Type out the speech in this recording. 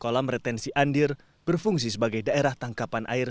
kolam retensi andir berfungsi sebagai daerah tangkapan air